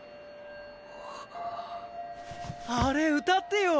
あれ歌ってよ